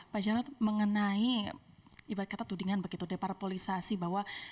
pak jarod mengenai ibarat kata tudingan begitu deparpolisasi bahwa